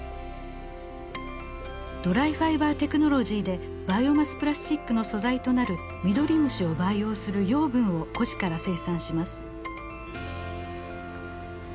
ドライファイバーテクノロジーでバイオマスプラスチックの素材となるミドリムシを培養する養分を古紙から生産します。